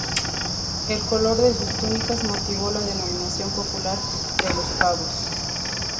El color de sus túnicas motivó la denominación popular de "Los Pavos".